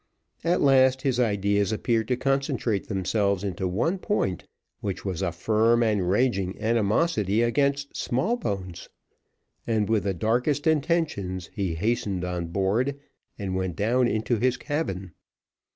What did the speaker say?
At last, his ideas appeared to concentrate themselves into one point, which was a firm and raging animosity against Smallbones; and with the darkest intentions he hastened on board and went down into his cabin.